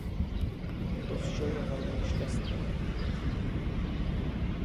To vše je velmi nešťastné.